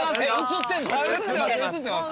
映ってます